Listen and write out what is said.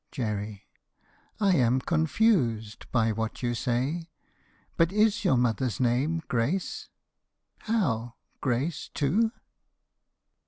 JERRY. I am confused By what you say. But is your mother's name Grace? How! Grace, too?